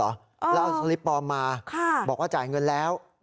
แล้วเอาสลิปปลอมมาบอกว่าจ่ายเงินแล้ว